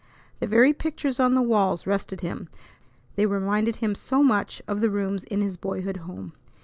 The very pictures on the walls rested him, they reminded him so much of the rooms in his boyhood home.